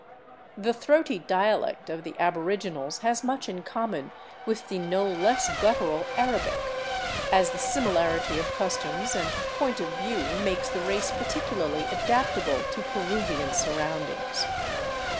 The throaty dialect of the aboriginals has much in common with the no less guttural Arabic; as the similarity of customs and point qf view makes the race particularly adaptable to Peruvian surroundings.